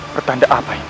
pertanda apa ini